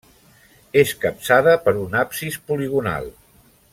És capçada per un absis poligonal.